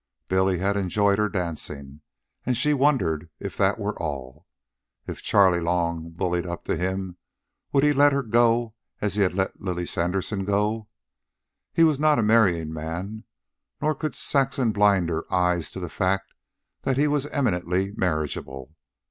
Billy had enjoyed her dancing, and she wondered if that were all. If Charley Long bullied up to him would he let her go as he had let Lily Sanderson go? He was not a marrying man; nor could Saxon blind her eyes to the fact that he was eminently marriageable.